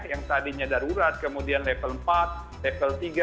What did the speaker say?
yang tadinya darurat kemudian level empat level tiga